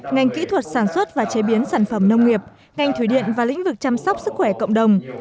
ngành kỹ thuật sản xuất và chế biến sản phẩm nông nghiệp ngành thủy điện và lĩnh vực chăm sóc sức khỏe cộng đồng